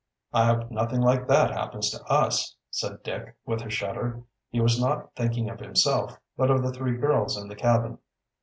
"I hope nothing like that happens to us," said Dick, with a shudder. He was not thinking of himself, but of the three girls in the cabin.